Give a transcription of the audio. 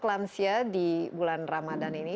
lansia di bulan ramadan ini